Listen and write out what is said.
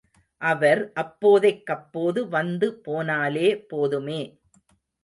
அவர் அப்போதைக்கப்போது வந்து போனாலே போதுமே.